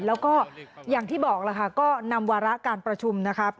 แล้วก็อย่างที่บอกล่ะค่ะก็นำวาระการประชุมนะครับ